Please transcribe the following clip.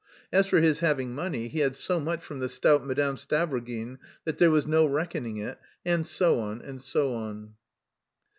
As for his having money, he had so much from the stout Madame Stavrogin that there was no reckoning it" and so on and so on.